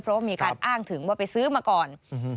เพราะว่ามีการอ้างถึงว่าไปซื้อมาก่อน